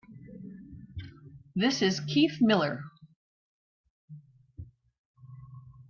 This is Keith Miller.